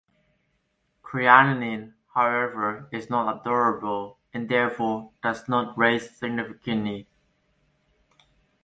Creatinine, however, is not absorbable and therefore does not rise significantly.